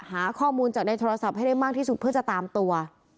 หาข้อมูลจากในโทรศัพท์ให้ได้มากที่สุดเพื่อจะตามตัว